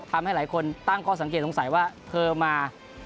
ทำให้หลายคนตั้งข้อสังเกตสงสัยว่าเธอมา